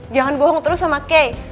jangan bohong terus sama kay